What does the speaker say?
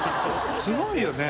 すごいよね。